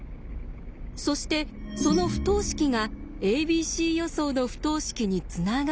そしてその不等式が「ａｂｃ予想」の不等式につながるというものでした。